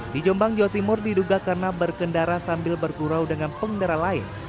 di jombang jawa timur diduga karena berkendara sambil bergurau dengan pengendara lain